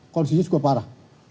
kolisinya juga parah